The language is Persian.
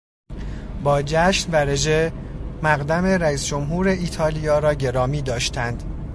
با جشن و رژه مقدم رئیس جمهور ایتالیا را گرامی داشتند.